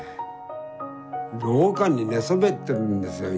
廊下に寝そべってるんですよ。